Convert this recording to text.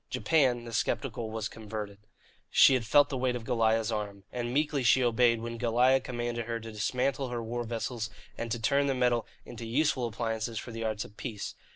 Japan the sceptical was converted. She had felt the weight of Goliah's arm. And meekly she obeyed when Goliah commanded her to dismantle her war vessels and to turn the metal into useful appliances for the arts of peace.